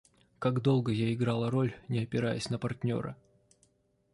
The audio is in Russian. Как долго я играла роль, Не опираясь на партнера.